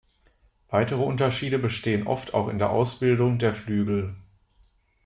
Weitere Unterschiede bestehen oft auch in der Ausbildung der Flügel.